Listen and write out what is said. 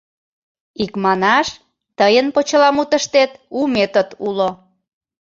Икманаш, тыйын почеламутыштет у метод уло.